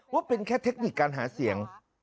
ว่าเป็นแค่เทคนิคการหาเสียง